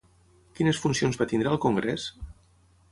Quines funcions va tenir al Congrés?